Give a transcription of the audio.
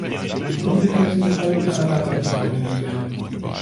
Im umgekehrten Fall kann ein Adapter verwendet werden.